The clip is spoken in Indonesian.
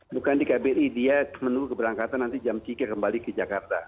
bukan di kbri dia menunggu keberangkatan nanti jam tiga kembali ke jakarta